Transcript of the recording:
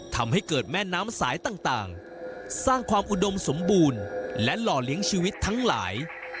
ทำให้เกิดแม่น้ำสายต่างสร้างความอุดมสมบูรณ์และหล่อเลี้ยงชีวิตทั้งหลาย